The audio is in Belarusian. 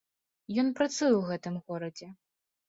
Ён працуе ў гэтым горадзе.